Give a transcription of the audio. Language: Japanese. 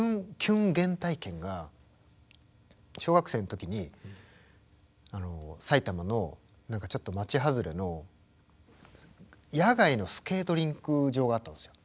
小学生の時に埼玉のちょっと町外れの野外のスケートリンク場があったんですよ。